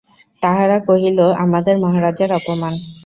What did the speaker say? তাহারা কহিল, আমাদের মহারাজার অপমান!